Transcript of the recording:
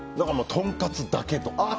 とんかつだけとかああ